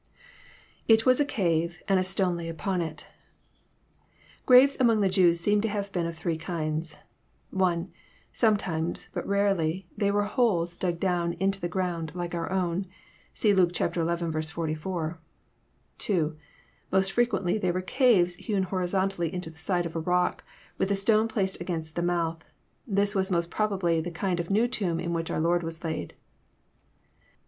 IR VHJL8 a car«, and a ttone lay upon U.'} Graves among the Jews seem to have been of three kinds. (1) Sometimes, but rarely, they were holes dug down into the ground, like our own. (See Luke xi. 44.) (2) Most fjrequently they were caves hevni horizontally into the side of a rock, with a stone placed against the mouth. This was most probably the kind of new tomb in which our Lord was laid.